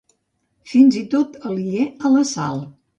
Fins i tot aliè a la Sal.